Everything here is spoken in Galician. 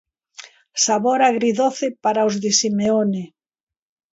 Sabor agridoce para os de Simeone.